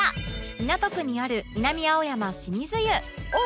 港区にある南青山清水湯